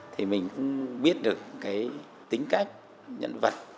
thì mình cũng biết được cái tính cách nhân vật